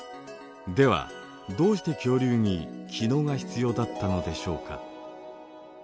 ではどうして恐竜に気のうが必要だったのでしょうか。